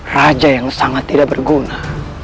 raja yang sangat tidak berguna